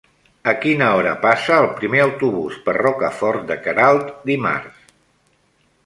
A quina hora passa el primer autobús per Rocafort de Queralt dimarts?